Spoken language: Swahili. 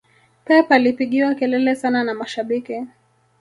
pep alipigiwa kelele sana na mashabiki